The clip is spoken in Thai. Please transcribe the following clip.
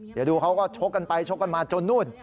เดี๋ยวดูเขาก็ชกกันไปชกกันมาจนนู่น